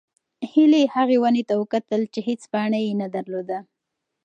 هیلې هغې ونې ته وکتل چې هېڅ پاڼه یې نه درلوده.